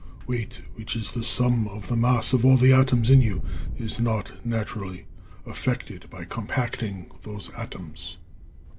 Weight, which is the sum of the mass of all the atoms in you, is not, naturally, affected by compacting those atoms."